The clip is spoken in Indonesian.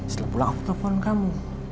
setelah pulang aku telepon kamu